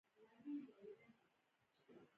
د اساسي قانون اصلاحیې ته مراجعه وشي.